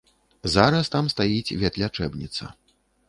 Зараз там стаіць ветлячэбніца.